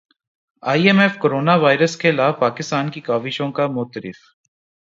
ائی M F corona virus کے خلاف پاکستان کی کاوشوں کا معترف